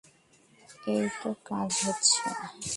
এই তো কাজ হচ্ছে।